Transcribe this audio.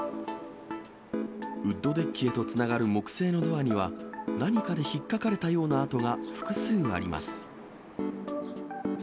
ウッドデッキへとつながる木製のドアには、何かでひっかかれたような跡が複数あります。